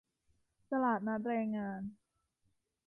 ตลาดนัดแรงงาน